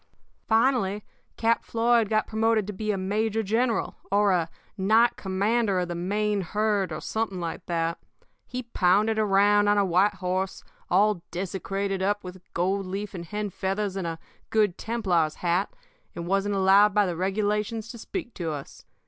"Finally, Cap Floyd got promoted to be a major general, or a knight commander of the main herd, or something like that. He pounded around on a white horse, all desecrated up with gold leaf and hen feathers and a Good Templar's hat, and wasn't allowed by the regulations to speak to us.